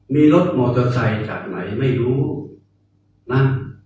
มีรถมอเตอร์ไซค์จากไหนไม่รู้นะ